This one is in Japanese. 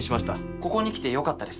ここに来てよかったです。